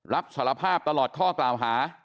รับสารภาพตลอดข้อกล่าวหา